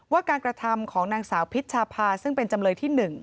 ว่าการกระทำของนางสาวพิชชาพาซึ่งเป็นจำเลยที่๑